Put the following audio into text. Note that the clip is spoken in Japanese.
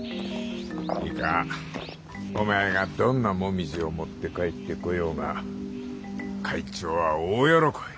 いいかお前がどんな紅葉を持って帰ってこようが会長は大喜び。